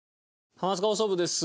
『ハマスカ放送部』です。